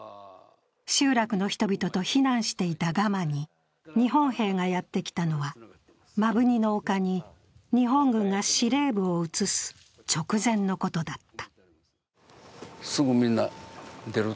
集落の人々と避難していたガマに日本兵がやってきたのは、摩文仁の丘に日本軍が司令部を移す直前のことだった。